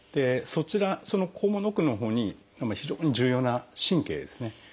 その肛門の奥のほうに非常に重要な神経ですね。